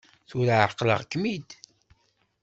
Tura ɛeqleɣ-kem-id.